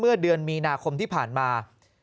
เมื่อเดือนมีนาคมที่ผ่านมา